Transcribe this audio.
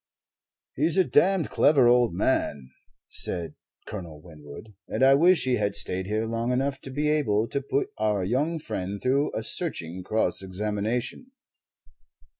"He's a damned clever old man," said Colonel Winwood, "and I wish he had stayed here long enough to be able to put our young friend through a searching cross examination."